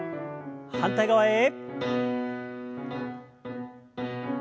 反対側へ。